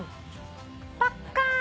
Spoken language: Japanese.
パッカーン。